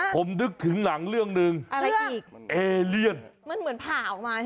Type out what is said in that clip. ผมนึกถึงหนังเรื่องหนึ่งอะไรอีกเอเลียนมันเหมือนผ่าออกมาใช่ไหม